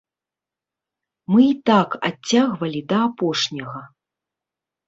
Мы і так адцягвалі да апошняга.